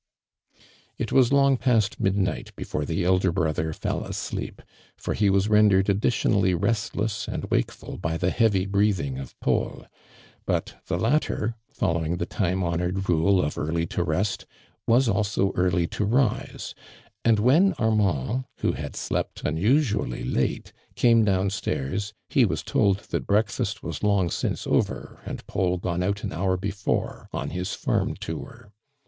It was long past midnight before the elder brother fell asleep, for he was ren dered additionally restless and wakeful by the heavy breathing of Paul ; but the latter, following the time honored rule of early to rest, was also early to rise, and when Armand, who had slept unusually late, came down stairs, he was told that break fast was long since over, and Paul gone out. an hour before, on his farm tour.